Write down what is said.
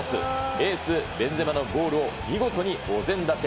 エース、ベンゼマのゴールを見事にお膳立て。